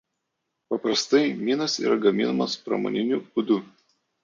Paprastai minos yra gaminamos pramoniniu būdu.